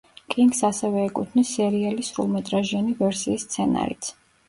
კინგს ასევე ეკუთვნის, სერიალის სრულმეტრაჟიანი ვერსიის სცენარიც.